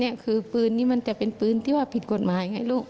นี่คือปืนนี้มันจะเป็นปืนที่ว่าผิดกฎหมายไงลูก